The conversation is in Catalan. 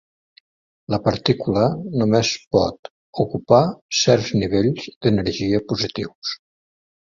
La partícula només pot ocupar certs nivells d'energia positius.